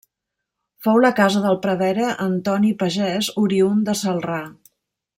Fou la casa del prevere Antoni Pagès, oriünd de Celrà.